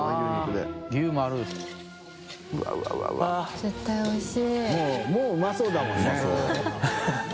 絶対おいしい。